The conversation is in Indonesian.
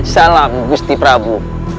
salam gusti brabu